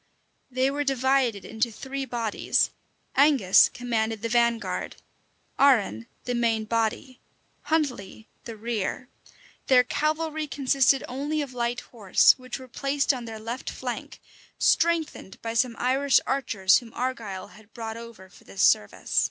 They were divided into three bodies: Angus commanded the vanguard; Arran the main body; Huntley the rear: their cavalry consisted only of light horse, which were placed on their left flank, strengthened by some Irish archers whom Argyle had brought over for this service.